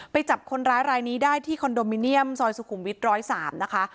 จับคนร้ายรายนี้ได้ที่คอนโดมิเนียมซอยสุขุมวิท๑๐๓นะคะ